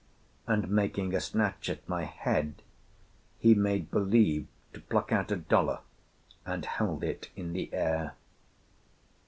And, making a snatch at my head, he made believe to pluck out a dollar, and held it in the air.